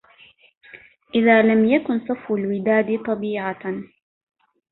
إِذا لَم يَكُن صَفوُ الوِدادِ طَبيعَةً